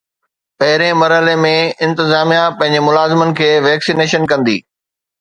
پهرين مرحلي ۾ انتظاميا پنهنجي ملازمن کي ويڪسينيشن ڪندي